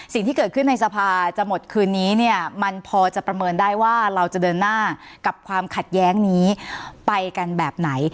สิ่งที่เกิดขึ้นในสภาจะหมดคืนนี้เนี่ยมันพอจะประเมินได้ว่าเราจะเดินหน้ากับความขัดแย้งนี้ไปกันแบบไหน